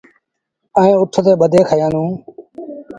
ائيٚݩ اُٺ تي ٻڌي کيآندون۔